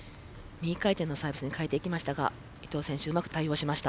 右回転のサービスに変えていきましたが伊藤選手うまく対応しました。